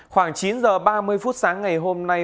khoảng chín h ba mươi phút sáng ngày hôm nay